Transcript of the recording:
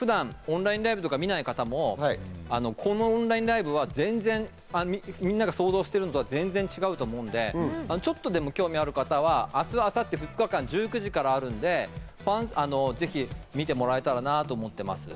普段オンラインライブとか見ない方もこのオンラインライブはみんなが想像してるのとは全然違うと思うので、ちょっとでも興味がある方は明日・明後日、２日間、１９時からあるんで、ぜひ見てもらえたらなと思ってます。